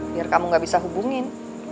biar kamu gak bisa hubungin